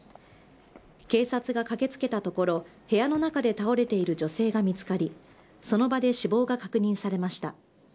警察が駆けつけたところ、部屋の中で倒れている女性が見つかり、その場で死亡が確認されました。